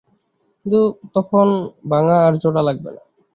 কিন্তু তখন ভাঙা আর জোড়া লাগবে না।